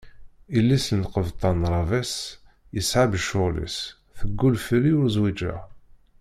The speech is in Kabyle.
Yelli-s n lqebṭan Ravès, yeṣɛeb ccɣel-is, teggul fell-i ur zwiǧeɣ.